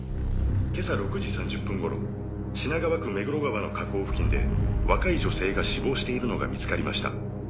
「今朝６時３０分頃品川区目黒川の河口付近で若い女性が死亡しているのが見つかりました」